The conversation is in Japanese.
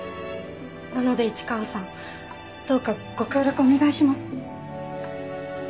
なので市川さんどうかご協力お願いします。